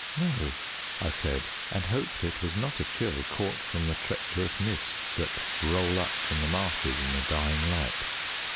"No," I said, and hoped it was not a chill caught from the treacherous mists that roll up from the marshes in the dying light.